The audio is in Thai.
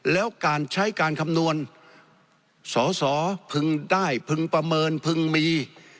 แล้วการใช้การคำนวณสอสอพึงได้พึงประเมินพึงมี